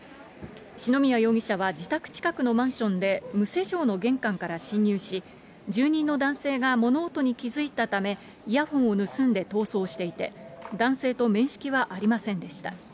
篠宮容疑者は自宅近くのマンションで無施錠の玄関から侵入し、住人の男性が物音に気付いたため、イヤホンを盗んで逃走していて、男性と面識はありませんでした。